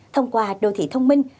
thông qua đô thị thông minh